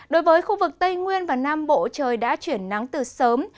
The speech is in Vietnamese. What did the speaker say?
đối với khu vực tây nguyên và nam bộ trời đã chuyển nắng từ sớm